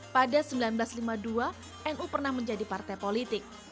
pada seribu sembilan ratus lima puluh dua nu pernah menjadi partai politik